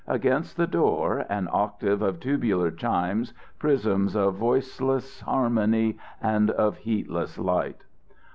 Against the door, an octave of tubular chimes, prisms of voiceless harmony and of heatless light.